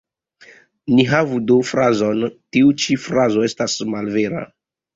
Ni havu do frazon ""Tiu ĉi frazo estas malvera.